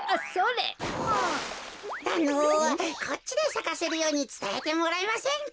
あのこっちでさかせるようにつたえてもらえませんか？